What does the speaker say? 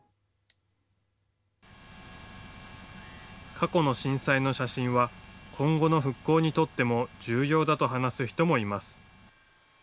過去の震災の写真は今後の復興にとっても重要だと話す人もいます。